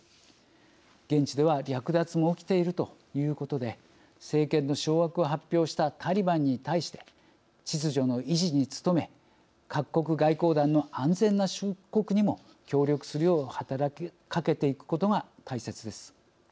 現地では略奪も起きているということで政権の掌握を発表したタリバンに対して秩序の維持に努め各国外交団の安全な出国にも協力するよう働きかけていくことが大切です。